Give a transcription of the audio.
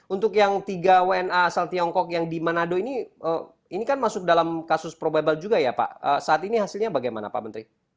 untuk yang tiga wna asal tiongkok yang di manado ini ini kan masuk dalam kasus probable juga ya pak saat ini hasilnya bagaimana pak menteri